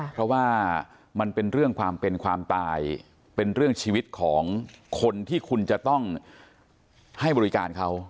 เพราะว่ามันเป็นเรื่องความเป็นความตายเป็นเรื่องชีวิตของคนที่คุณจะต้องให้บริการเขา